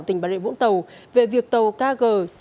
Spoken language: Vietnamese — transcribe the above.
tỉnh bà rịa vũng tàu về việc tàu kg chín nghìn ba trăm linh chín